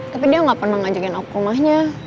tapi dia nggak pernah ngajakin aku ke rumahnya